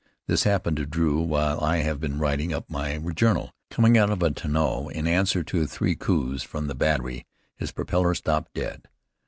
This happened to Drew while I have been writing up my journal. Coming out of a tonneau in answer to three coups from the battery, his propeller stopped dead.